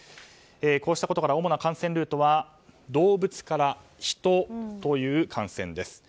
こうしたことから主な感染ルートは動物から人という感染です。